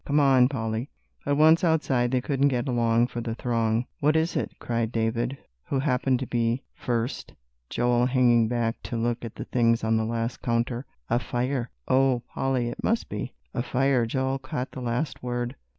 Come on, Polly." But once outside they couldn't get along for the throng. "What is it?" cried David, who happened to be first, Joel hanging back to look at the things on the last counter. "A fire. Oh, Polly, it must be!" "A fire!" Joel caught the last word.